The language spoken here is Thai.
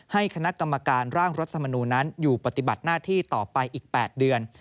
ให้คณะกรรมการร่างรัฐมนูลนั้นอยู่ปฏิบัติหน้าที่ต่อไปอีก๘เดือน